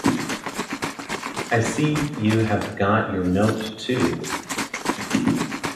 I see you have got your note, too.